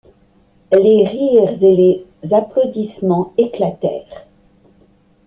Les rires et les applaudissements éclatèrent.